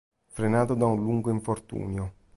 Frenato da un lungo infortunio.